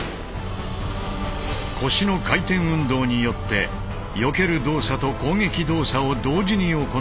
腰の回転運動によってよける動作と攻撃動作を同時に行う転体。